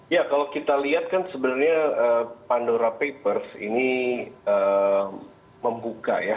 ya kalau kita lihat kan sebenarnya pandora papers ini membuka ya